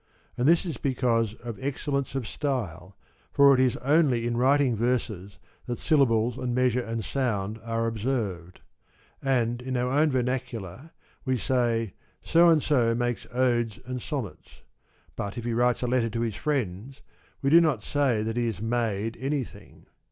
And this is because of excellence of style, for it is only in writing verses that syllables and measure and sound are observed. And in our own vernacular we say * so and so makes Odes and Sonnets,' but if he writes a letter to his friends we do not say that he has * made ' any thing.